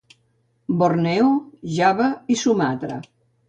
Borneo, Java i Sumatra.